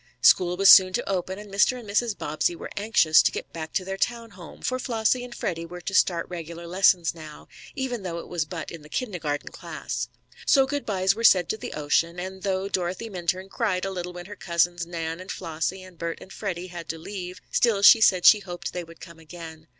School was soon to open, and Mr. and Mrs. Bobbsey were anxious to get back to their town home, for Flossie and Freddie were to start regular lessons now, even though it was but in the kindergarten class. So goodbyes were said to the ocean, and though Dorothy Minturn cried a little when her cousins Nan and Flossie, and Bert and Freddie, had to leave, still she said she hoped they would come again.